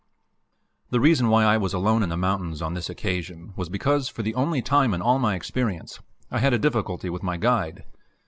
The reason why I was alone in the mountains on this occasion was because, for the only time in all my experience, I had a difficulty with my guide.